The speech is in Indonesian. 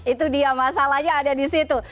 itu dia masalahnya ada di situ